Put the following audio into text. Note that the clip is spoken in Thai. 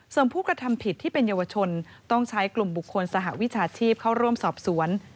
ส่วนผู้กระทำผิดที่เป็นเยาวชนต้องใช้กลุ่มบุคคลสหวิชาชีพเข้าร่วมสอบสวน